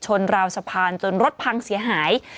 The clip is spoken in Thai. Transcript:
ราวสะพานจนรถพังเสียหาย